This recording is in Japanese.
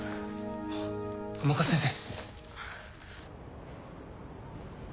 甘春先生。